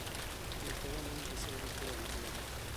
Иртәгә мин бесәйҙе күрәм, улайһа.